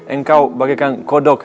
engkau bagaikan kodok